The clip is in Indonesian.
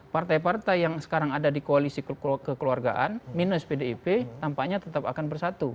partai partai yang sekarang ada di koalisi kekeluargaan minus pdip tampaknya tetap akan bersatu